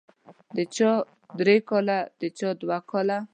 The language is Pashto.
د چا درې کاله او د چا دوه کاله.